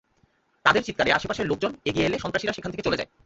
তাঁদের চিৎকারে আশপাশের লোকজন এগিয়ে এলে সন্ত্রাসীরা সেখান থেকে চলে যায়।